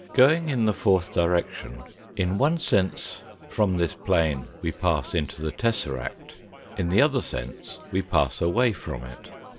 Going in the fourth direction, in one sense, from this plane we pass into the tesseract, in the other sense we pass away from it.